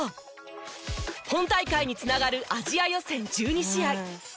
本大会に繋がるアジア予選１２試合。